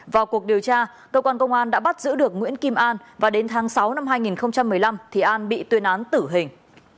vào cuộc điều tra cơ quan công an đã bắt giữ được nguyễn kim an và đến tháng sáu năm hai nghìn một mươi năm thì an bị tuyên án tử hình